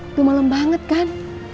udah malem banget kan